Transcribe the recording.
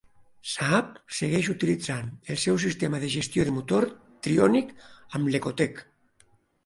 Saab segueix utilitzant el seu sistema de gestió de motor Trionic amb l'Ecotec.